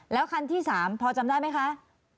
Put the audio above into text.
แล้วคันที่๓พอจำได้ไหมคะ